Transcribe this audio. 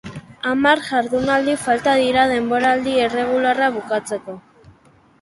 Hamar jardunaldi falta dira denboraldi erregularra bukatzeko.